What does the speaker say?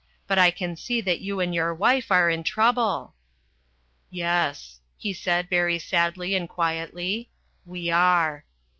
But I can see that you and your wife are in trouble." "Yes," he said very sadly and quietly, "we are."